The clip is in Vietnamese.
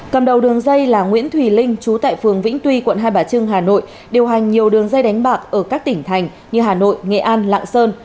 cầm đầu đường dây là nguyễn thùy linh trú tại phường vĩnh tuy quận hai bà trưng hà nội điều hành nhiều đường dây đánh bạc ở các tỉnh thành như hà nội nghệ an lạng sơn